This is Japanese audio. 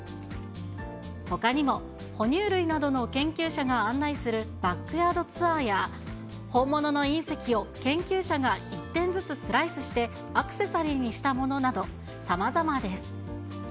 ほかにも、ほ乳類などの研究者が案内するバックヤードツアーや、本物の隕石を研究者が１点ずつスライスしてアクセサリーにしたものなど、さまざまです。